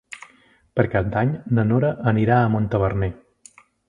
Per Cap d'Any na Nora anirà a Montaverner.